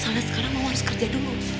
soalnya sekarang memang harus kerja dulu